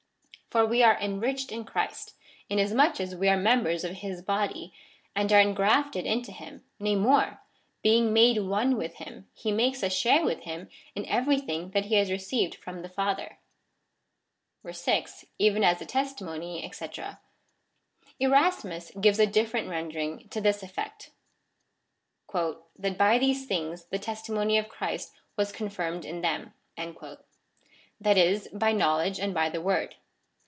For we are enriched in Christ, inasmuch as we are members of his body, and are engrafted into him : nay more, being made one with him, he makes us share w^ith him in every thing that he has received from the Father. ,6. Even as the testimony, &c. Erasmus gives a different rendering, to this effect, " that by these things the testi mony of Christ was confirmed in them ;" that is, by know ledge and by the word.